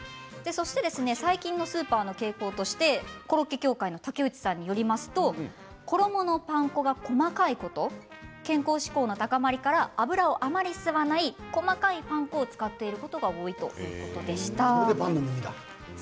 最近のスーパーの傾向としてコロッケ協会の竹内さんによりますと衣のパン粉が細かいこと健康志向の高まりから油をあまり吸わない細かいパン粉を使っていることが多いということでした。